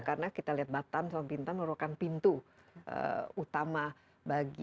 karena kita lihat batam sobintan merupakan pintu utama